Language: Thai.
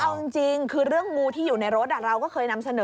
เอาจริงคือเรื่องงูที่อยู่ในรถเราก็เคยนำเสนอ